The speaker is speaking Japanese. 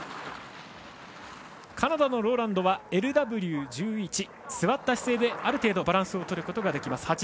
カナダのロウランドはＬＷ１１座った姿勢である程度バランスを取ることができます。